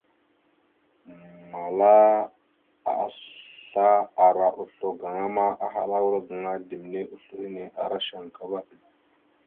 Mala asla ara oslo gaŋa ma ahala a wal gaŋa ya ɗimne oslo hine ara shankaba.